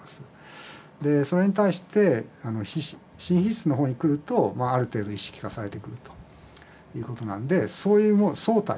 それに対して新皮質の方に来るとある程度意識化されてくるということなんでそういう総体ですね